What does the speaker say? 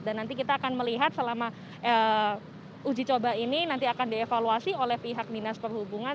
dan nanti kita akan melihat selama uji coba ini nanti akan dievaluasi oleh pihak dinas perhubungan